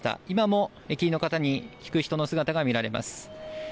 今も駅員の方に聞く人の姿が見られます。